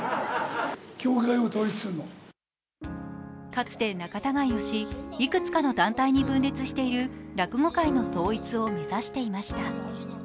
かつて仲違いをし、いくつかの団体に分裂している落語界の統一を目指していました。